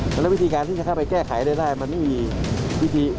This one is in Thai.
เพราะฉะนั้นวิธีการที่จะเข้าไปแก้ไขได้มันไม่มีวิธี